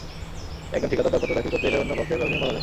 একজন ঠিকাদার দরপত্র দাখিল করতে এলে অন্য পক্ষের কয়েকজন বাধা দেয়।